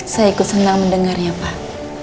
saya ikut senang mendengarnya pak